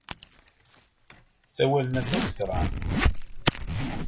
Ssawalen-as asekran.